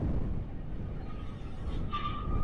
اقوام متحدہ کی ایک شاخ ہے